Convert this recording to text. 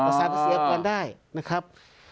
อ๋ออ๋ออ๋อต่อสารสรรพากรได้นะครับ